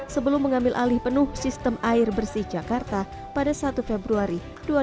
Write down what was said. sebelum mengambil alih penuh sistem air bersih jakarta pada satu februari dua ribu dua puluh